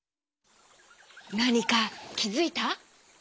なにかきづいた？